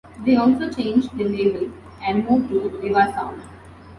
They also changed their label and moved to Riva Sound.